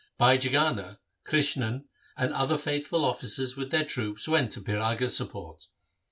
Bhai Jagana, Krishan, and other faithful officers with their troops went to Piraga's support.